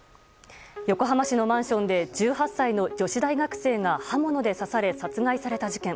横浜市のマンションで１８歳の女子大学生が刃物で刺され殺害された事件。